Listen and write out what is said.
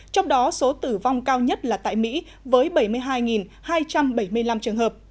trong đó số tử vong cao nhất là tại mỹ với bảy mươi hai hai trăm bảy mươi năm trường hợp